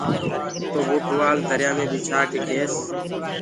تو وو ٽوآل دريآ مي ٻِڇآ ڪي ڪيس۔